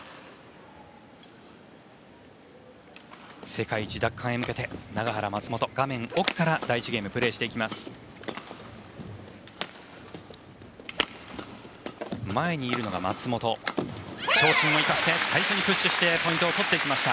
世界一奪還へ向けて永原、松本画面奥から第１ゲームプレーしていきます。